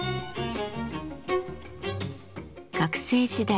学生時代